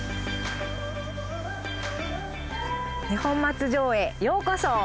二本松城へようこそ！